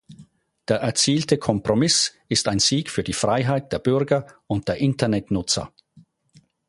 Der erzielte Kompromiss ist ein Sieg für die Freiheit der Bürger und der Internetnutzer.